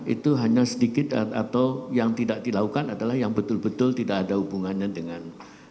itu hanya sedikit atau yang tidak dilakukan adalah yang betul betul tidak ada hubungannya dengan